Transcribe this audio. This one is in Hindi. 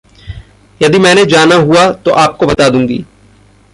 यदि मैने जाना हुआ तो आपको बता दूँगी।